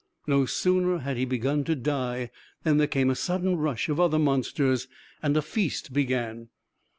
No sooner had he begun to die than there came a sudden rush of other monsters and a feast began.